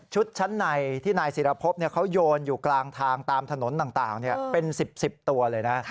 ชั้นในที่นายศิรพบเขาโยนอยู่กลางทางตามถนนต่างเป็น๑๐ตัวเลยนะ